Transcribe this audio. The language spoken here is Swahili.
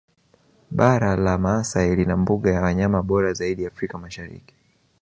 Bara la Maasai lina mbuga ya wanyama bora zaidi Afrika Mashariki